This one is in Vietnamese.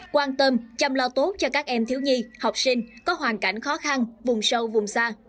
quan tâm chăm lo tốt cho các em thiếu nhi học sinh có hoàn cảnh khó khăn vùng sâu vùng xa